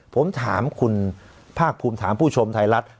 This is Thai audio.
ผมถามคุณภาคภูมิถามผู้ชมไทยรัฐ